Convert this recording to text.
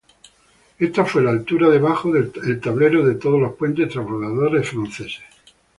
Este fue la altura de bajo el tablero de todos los puentes transbordadores franceses.